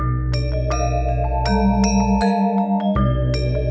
aku bisa menjelaskan afterglow terus saja